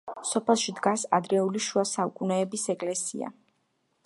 სოფელში დგას ადრეული შუა საუკუნეების ეკლესია.